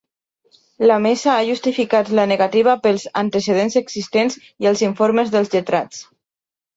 La mesa ha justificat la negativa pels “antecedents existents i els informes dels lletrats”.